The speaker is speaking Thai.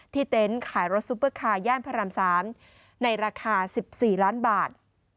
เต็นต์ขายรถซุปเปอร์คาร์ย่านพระราม๓ในราคา๑๔ล้านบาท